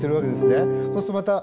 そうするとまた。